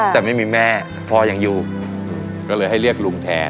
แต่ไม่มีแม่พ่อยังอยู่ก็เลยให้เรียกลุงแทน